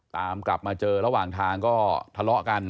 ตามกลับมาเจอระหว่างทางก็ทะเลาะกัน